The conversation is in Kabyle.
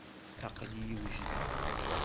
Aql-iyi wejdeɣ.